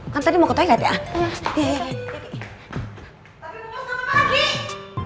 kan tadi mau ketahui gak tiang